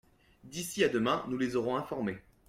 D’ici à demain nous les aurons informées.